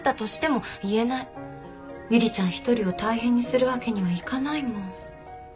一人を大変にするわけにはいかないもん。